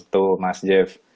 tuh mas jeff